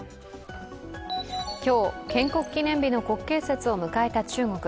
今日、建国記念の日の国慶節を迎えた中国。